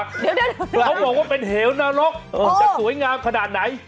เดี๋ยวเขาบอกว่าเป็นเหวนรกจะสวยงามขนาดไหน